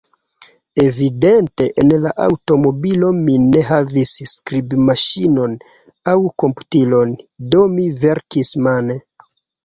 Evidente en la aŭtomobilo mi ne havis skribmaŝinon aŭ komputilon, do mi verkis mane.